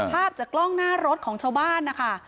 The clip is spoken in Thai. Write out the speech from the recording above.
ภาพจากกล้องหน้ารถของชาวบ้านนะคะ